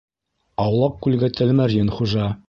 Аулаҡ күлгә тәлмәрйен хужа.